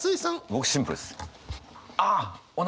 僕シンプルです。